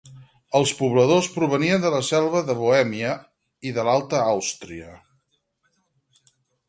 Els pobladors provenien de la selva de Bohèmia i de l'alta Àustria.